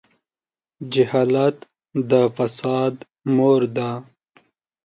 جهالت د فساد مور ده.